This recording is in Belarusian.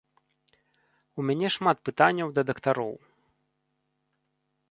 У мяне шмат пытанняў да дактароў.